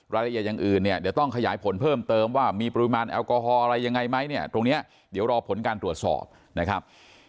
อย่างอื่นเนี่ยเดี๋ยวต้องขยายผลเพิ่มเติมว่ามีปริมาณแอลกอฮอล์อะไรยังไงไหมเนี่ยตรงนี้เดี๋ยวรอผลการตรวจสอบนะครับ